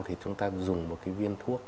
thì chúng ta dùng một cái viên thuốc